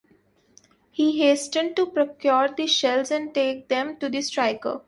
He hastened to procure the shells and take them to the striker.